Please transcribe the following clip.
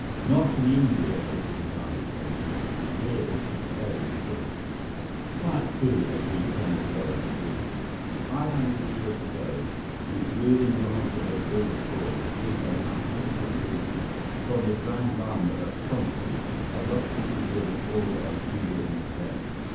"Not in India," put in Chandra promptly. "Here it is very short." "Quite true," agreed Colonel Gorak seriously. "Five hundred years ago, the ruling Rajah of Bildapore received a magnificent ruby from the Grand Lama of Chonsi, a lost city near the border of India and Tibet.